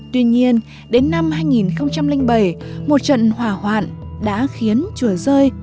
tuy nhiên đến năm hai nghìn bảy một trận hỏa hoạn đã khiến chùa rơi